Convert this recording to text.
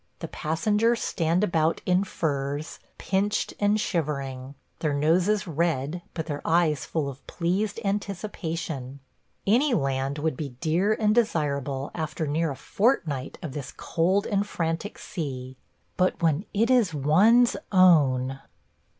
The passengers stand about in furs, pinched and shivering; their noses red, but their eyes full of pleased anticipation. Any land would be dear and desirable after near a fortnight of this cold and frantic sea – but when it is one's own –